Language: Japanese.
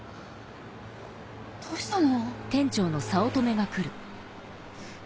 どうしたの？